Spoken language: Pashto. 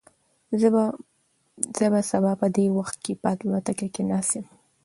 زه به سبا په دې وخت کې په الوتکه کې ناست یم.